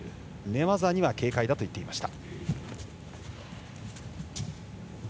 寝技には警戒だといっていました。